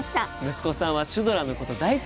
息子さんはシュドラのこと大好きなんだって！